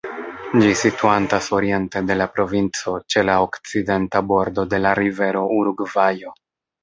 Ĝi situantas oriente de la provinco, ĉe la okcidenta bordo de la rivero Urugvajo.